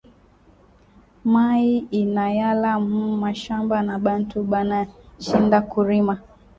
Mayi inayala mu mashamba na bantu bana shinda ku rima